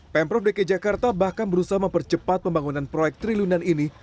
pemprov dki jakarta bahkan berusaha mempercepat pembangunan proyek triunan ini